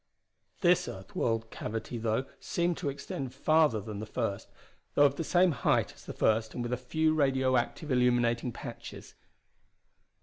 This earth walled cavity, though, seemed to extend farther than the first, though of the same height as the first and with a few radio active illuminating patches.